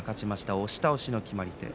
押し倒しの決まり手。